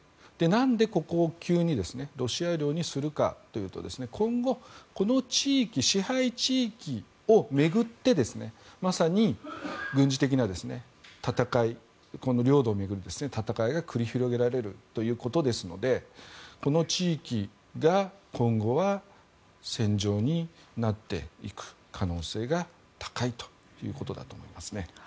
何で、ここを急にロシア領にするかというと今後、この支配地域を巡ってまさに軍事的な戦い領土を巡る戦いが繰り広げられるということですのでこの地域が今後は戦場になっていく可能性が高いということだと思いますね。